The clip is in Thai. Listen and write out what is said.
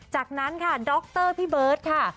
จากนั้นค่ะด็อกเตอร์พี่เบิร์ดค่ะ